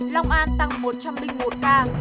long an tăng một trăm linh một ca